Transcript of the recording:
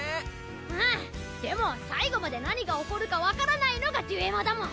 うんでも最後まで何が起こるかわからないのがデュエマだもん。